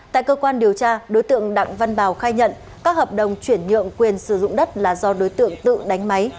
tại cơ quan điều tra đối tượng đặng văn bào khai nhận các hợp đồng chuyển nhượng quyền sử dụng đất là do đối tượng tự đánh máy